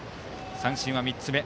三振は３つ目。